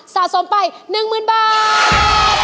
สะสมไป๑๐๐๐บาท